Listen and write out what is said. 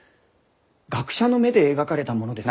学者の目で描かれたものです。